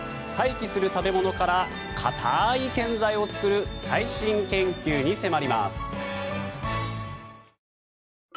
廃棄する食べ物から硬い建材を作る最新研究に迫ります。